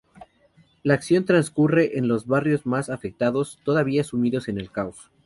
La acción transcurre en los barrios más afectados, todavía sumidos en el caos.